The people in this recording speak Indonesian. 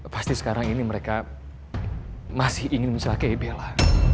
pasti sekarang ini mereka masih ingin mencelakai bela